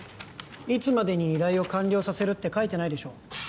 いつまでに依頼を完了させるって書いてないでしょ